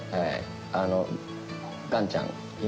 あのガンちゃん？